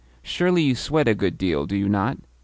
Surely you sweat a good deal, do you not?